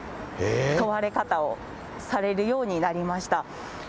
問われ方をされるようになりました。